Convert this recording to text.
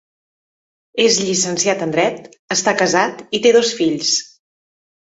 És llicenciat en dret, està casat i té dos fills.